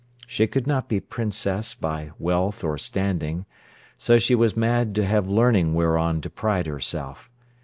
She could not be princess by wealth or standing. So she was mad to have learning whereon to pride herself.